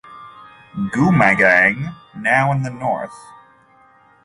Geumgang, now in the North.